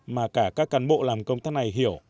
mà cả các cán bộ làm công tác này hiểu